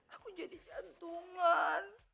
aku jadi cantungan